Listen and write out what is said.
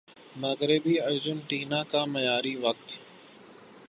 مغربی ارجنٹینا کا معیاری وقت